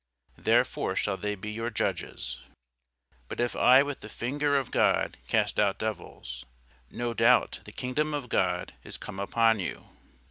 therefore shall they be your judges. But if I with the finger of God cast out devils, no doubt the kingdom of God is come upon you.